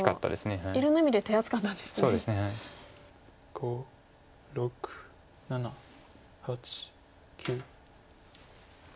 ５６７８９。